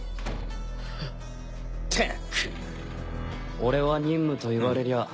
俺は任務と言われりゃ